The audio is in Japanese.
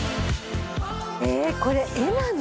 ええこれ絵なの？